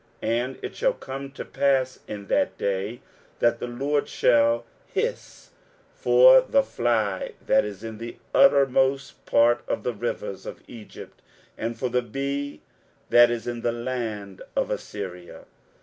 23:007:018 And it shall come to pass in that day, that the LORD shall hiss for the fly that is in the uttermost part of the rivers of Egypt, and for the bee that is in the land of Assyria.